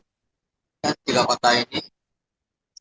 tiga kota di jawa barat